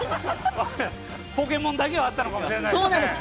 ポケモンだけはあったのかもしれない。